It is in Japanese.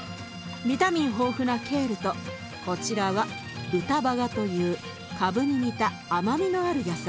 ビタミン豊富なケールとこちらはルタバガというカブに似た甘みのある野菜。